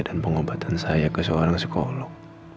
dan pengobatan saya ke seorang psikolog